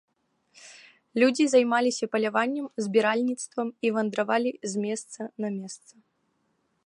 Людзі займаліся паляваннем, збіральніцтвам, і вандравалі з месца на месца.